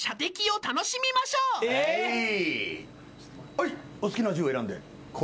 はいお好きな銃を選んで。